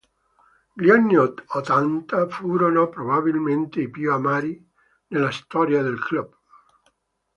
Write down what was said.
Gli anni ottanta furono probabilmente i più amari nella storia del club.